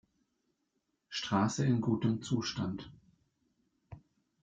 Straße in gutem Zustand.